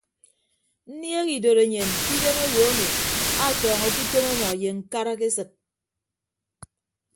Nniehe idotenyen ke idem owo emi atọọñọke utom ọmọ ye ñkara ke esịt.